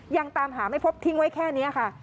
ยังตามหาไม่พบทิ้งไว้แค่นี้ค่ะ